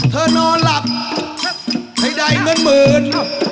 ถ้านอนหลับให้ได้หมื่นหมื่น